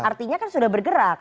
artinya kan sudah bergerak